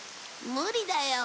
無理だよ。